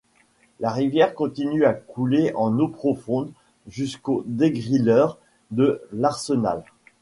La rivière continue à couler, en eau profonde jusqu’au dégrilleur de l’Arsenal.